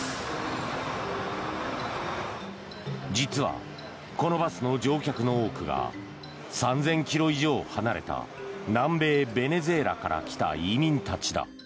実は、このバスの乗客の多くが３０００ｋｍ以上離れた南米ベネズエラから来た移民たちだ。